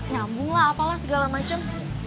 nyambung lah apalah segala macem